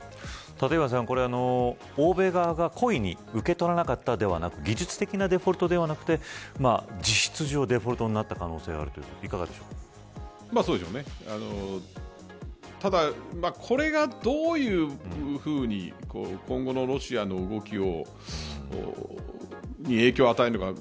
立岩さん、これは欧米側が故意に受け取らなかったんではなく技術的なデフォルトではなくて実質上デフォルトになったということですがただ、これがどういうふうに今後のロシアの動きを影響を受けるのか。